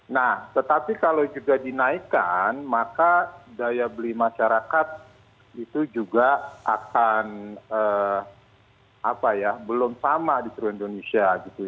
nah tetapi kalau juga dinaikkan maka daya beli masyarakat itu juga akan belum sama di seluruh indonesia